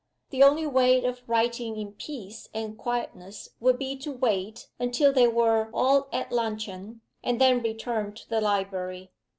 The only way of writing in peace and quietness would be to wait until they were all at luncheon, and then return to the library.